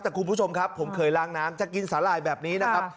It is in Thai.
แต่คุณผู้ชมครับผมเคยล้างน้ำจะกินสาหร่ายแบบนี้นะครับ